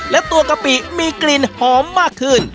และตัวกะปิมีกลิ่นหอมมากขึ้น